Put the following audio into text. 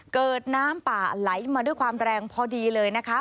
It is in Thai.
เกิดน้ำป่าไหลมาด้วยความแรงพอดีเลยนะคะ